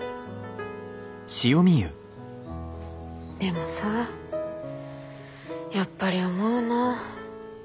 でもさやっぱり思うな。